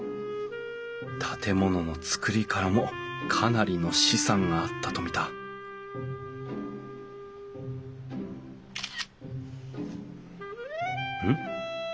建物の造りからもかなりの資産があったと見たうん？